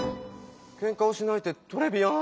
「ケンカをしない」ってトレビアー